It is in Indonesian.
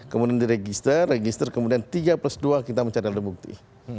kemudian diregister register kemudian tiga plus dua kita mencari alat bukti